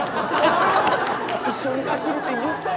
一緒に走るって言ったよね！